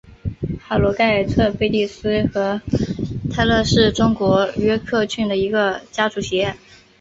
哈罗盖特贝蒂斯和泰勒是英国约克郡的一个家族企业。